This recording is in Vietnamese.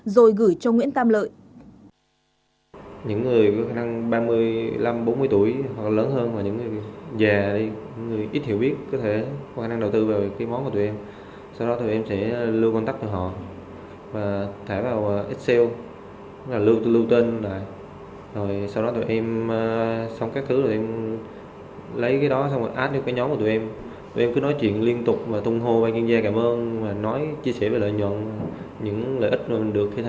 rồi gửi cho nguyễn tam lợi